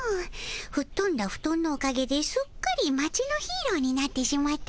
ふっとんだフトンのおかげですっかり町のヒーローになってしまったでおじゃる。